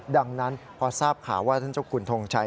ดังนั้นพอทราบข่าวว่าท่านเจ้าคุณทงชัย